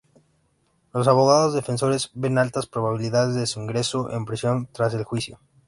Los abogados defensores ven altas probabilidades de su ingreso en prisión tras el juicio.